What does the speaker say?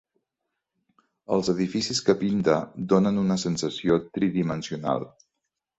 Els edificis que pinta donen una sensació tridimensional.